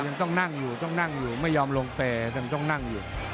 เมายังต้องนั่งอยู่ไม่ยอมลงเปย์ยังต้องนั่งอยู่